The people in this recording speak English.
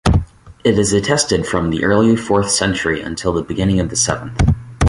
It is attested from the early fourth century until the beginning of the seventh.